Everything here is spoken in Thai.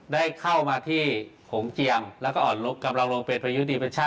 ได้เข้ามาที่หงเกียงแล้วก็อ่อนกำลังลงเป็นพายุ